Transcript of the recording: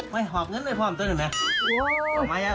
ไม่หอบนั้นเลยพร้อมตัวหน่อยนะ